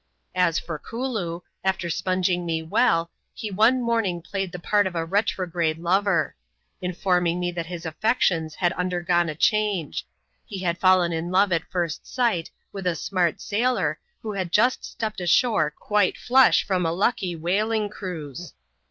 As for Kooloo, after sponging me well, he one morning played the part of a retrograde lover ; informing me that his affections had undergone a change ; he had fallen in love at first sight with a smart sailor, who had just stepped ashore quite flush from a lucky whaling cruise.